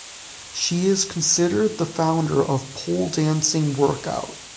She is considered the founder of Pole Dancing Workout.